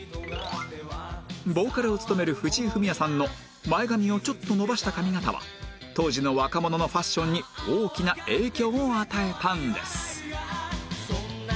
ボーカルを務める藤井フミヤさんの前髪をちょっと伸ばした髪形は当時の若者のファッションに大きな影響を与えたんです